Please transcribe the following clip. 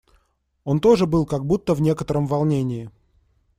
Он был тоже как будто в некотором волнении.